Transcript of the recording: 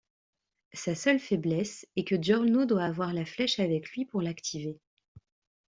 Sa seule faiblesse est que Giorno doit avoir la flèche avec lui pour l'activer.